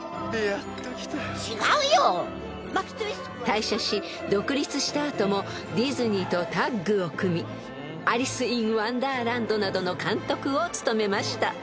［退社し独立した後もディズニーとタッグを組み『アリス・イン・ワンダーランド』などの監督を務めました］